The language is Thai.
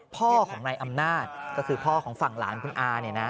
พ่อของในนาธคือพ่อของฝั่งหลานคุณอา